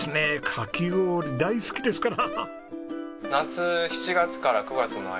かき氷大好きですから。